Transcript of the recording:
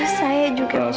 dan saya juga